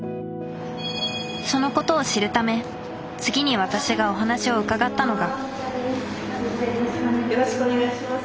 そのことを知るため次に私がお話を伺ったのがよろしくお願いします。